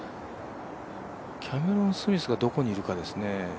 キャメロン・スミスがどこにいるかですね。